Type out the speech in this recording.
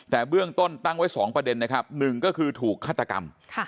แต่เบื้องต้นตั้งไว้๒ประเด็นนะครับ๑ก็คือถูกฆาตกรรม